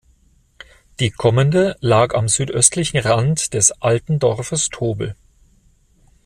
Die Kommende lag am südöstlichen Rand des alten Dorfes Tobel.